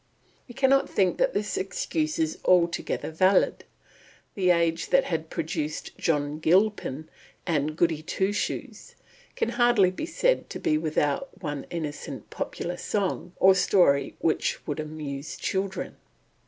We cannot think that this excuse is altogether valid: the age that had produced "John Gilpin" and "Goody Two Shoes" can hardly be said to be without one innocent popular song or story which would amuse children.